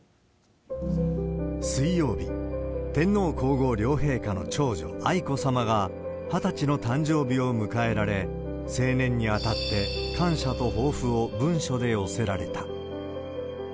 水曜日、天皇皇后両陛下の長女、愛子さまが２０歳の誕生日を迎えられ、成年にあたって感謝と抱負を文書で寄せられた。